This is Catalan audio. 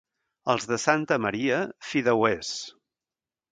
Els de Santa Maria, fideuers.